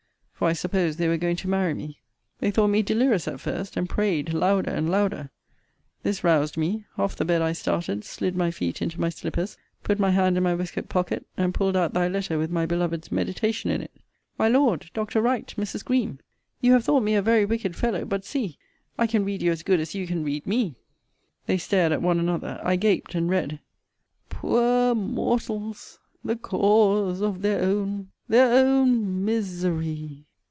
for I supposed they were going to marry me. They thought me delirious at first; and prayed louder and louder. This roused me: off the bed I started; slid my feet into my slippers; put my hand in my waistcoat pocket, and pulled out thy letter with my beloved's meditation in it! My Lord, Dr. Wright, Mrs. Greme, you have thought me a very wicked fellow: but, see! I can read you as good as you can read me. They stared at one another. I gaped, and read, Poor mo or tals the cau o ause of their own their own mi ser ry.